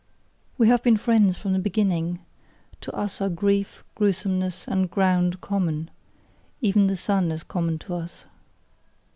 We have been friends from the beginning: to us are grief, gruesomeness, and ground common; even the sun is common to us.